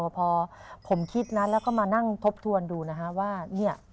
พอผมคิดนะแล้วก็มานั่งทบทวนดูนะฮะว่าเนี่ย